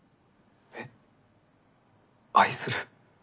えっ愛する？